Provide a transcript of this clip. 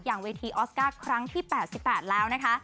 เวทีออสการ์ครั้งที่๘๘แล้วนะคะ